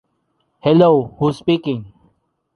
Hello, who’s speaking?